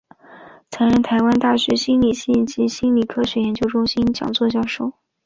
曾任台湾大学心理学系及心理科学研究中心讲座教授。